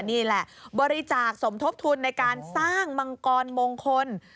นี่แหละบริจาคสมทบทุนในการสร้างมังกรมงคล